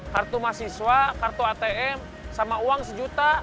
kartu mahasiswa kartu atm sama uang sejuta